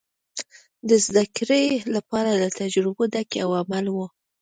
د زدهکړې لپاره له تجربو ډک یو عمل و.